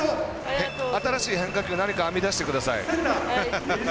新しい変化球何か編み出してください。